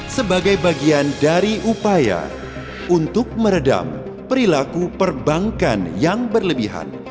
sebagai bagian dari upaya untuk meredam perilaku perbankan yang berlebihan